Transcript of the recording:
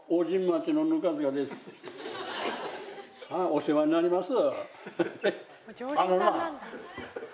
お世話になります